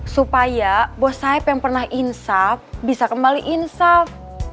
supaya bos saeb yang pernah insaf bisa kembali insaf